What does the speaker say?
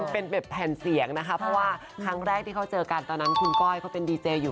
เป็นแผนเสียงนะคะเพราะว่าครั้งแรกที่เขาเจอกันตอนนั้น